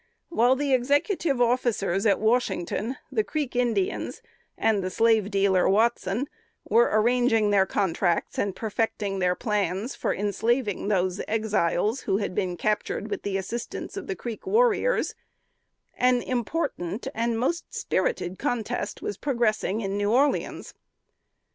While the Executive officers at Washington, the Creek Indians, and the slave dealer Watson, were arranging their contracts and perfecting their plans for enslaving those Exiles, who had been captured with the assistance of the Creek warriors, an important and most spirited contest was progressing in New Orleans.